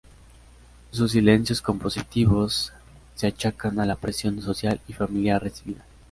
Sus silencios compositivos se achacan a la presión social y familiar recibida.